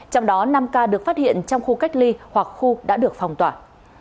trong đó năm ca được phát hiện trong khu cách ly hoặc khu đã được phong tỏa